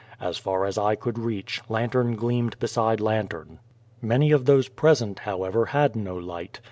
As far as eye could reach, lantern gleamed beside lantern. Many of those present, however, had no light.